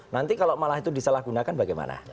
nanti kalau malah itu disalahgunakan bagaimana